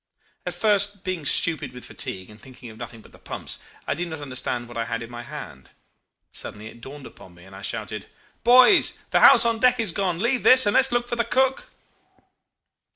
At first, being stupid with fatigue and thinking of nothing but the pumps, I did not understand what I had in my hand. Suddenly it dawned upon me, and I shouted, 'Boys, the house on deck is gone. Leave this, and let's look for the cook.